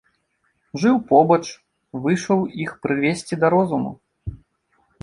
Жыў побач, выйшаў іх прывесці да розуму.